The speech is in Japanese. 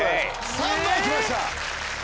３枚行きました。